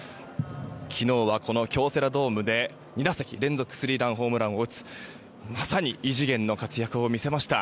昨日はこの京セラドームで２打席連続スリーランホームランを放つまさに異次元の活躍を見せました。